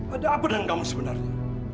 ada apa dengan kamu sebenarnya